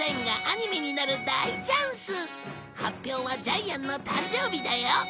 発表はジャイアンの誕生日だよ